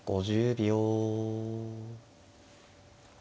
５０秒。